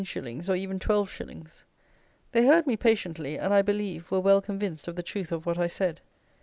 _ or even 12_s._ They heard me patiently, and, I believe, were well convinced of the truth of what I said.